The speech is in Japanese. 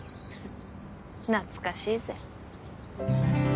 懐かしいぜ。